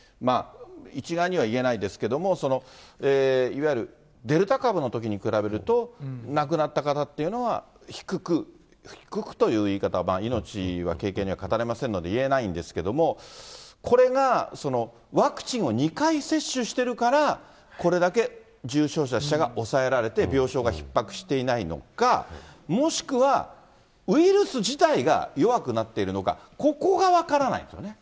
一概には言えないんですけど、いわゆるデルタ株のときに比べると、亡くなった方っていうのは低く、低くという言い方、命は軽々には語れませんので言えないんですけれども、これがワクチンを２回接種しているから、これだけ重症者、死者が抑えられて、病床がひっ迫していないのか、もしくは、ウイルス自体が弱くなってるのか、ここが分からないんですよね。